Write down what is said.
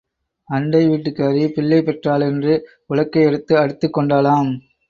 அண்டை வீட்டுக்காரி பிள்ளை பெற்றாளென்று உலக்கை எடுத்து அடித்துக் கொண்டாளாம்.